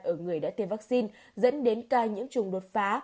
ở người đã tiêm vaccine dẫn đến ca những chủng đột phá